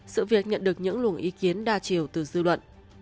sự việc nhận được những luồng ý kiến đa chiều từ dư luận